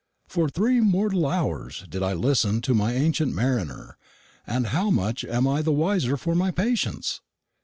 For three mortal hours did I listen to my ancient mariner; and how much am I the wiser for my patience?